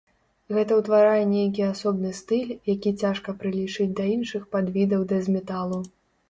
Гэта ўтварае нейкі асобны стыль, які цяжка прылічыць да іншых падвідаў дэз-металу.